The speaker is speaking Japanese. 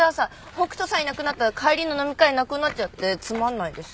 北斗さんいなくなったら帰りの飲み会なくなっちゃってつまんないです。